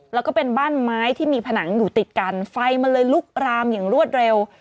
แล้วก็เป็นบ้านไม้ที่มีผนังอยู่ติดกันไฟมันเลยลุกรามอย่างรวดเร็ว